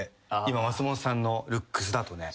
松本さんのルックスだとね。